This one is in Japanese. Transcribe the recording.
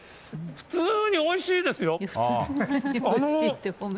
普通においしいですよ。